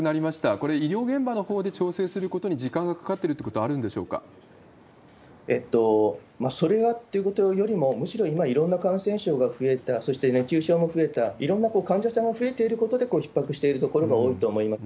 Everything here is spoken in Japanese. これ、医療現場のほうで調整することに時間がかかってるってことはあるそれがっていうことよりも、むしろ今、いろんな感染症が増えた、そして熱中症も増えた、いろんな患者さんが増えていることでひっ迫しているところが多いと思います。